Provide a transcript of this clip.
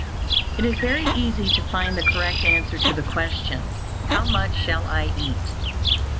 It is very easy to find the correct answer to the question, How much shall I eat?